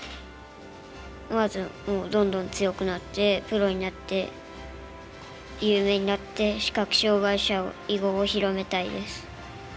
まずもうどんどん強くなってプロになって有名になって視覚障がい者を囲碁を広めたいです。